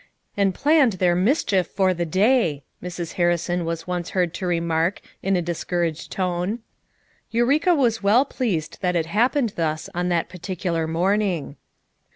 "And planned their mischief for the day," Mrs. Harrison was once heard to remark in a discouraged tone. Eureka was well pleased that it happened thus on that particnlar morning.